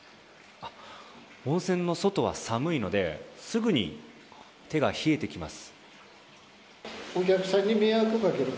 温泉の外は寒いのですぐに手が冷えてきます。